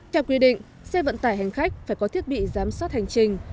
theo quy định xe vận tải hành khách phải có thiết bị giám sát hành trình